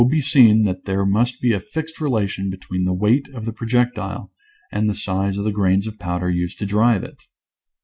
223 be seen that there must he a fixed relation be tween the weight of the projectile and the size of the grains of powder used to drive it.